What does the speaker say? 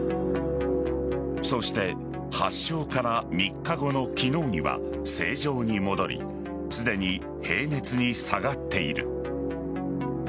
そして、発症から３日後の昨日には正常に戻りすでに平熱に下がっている。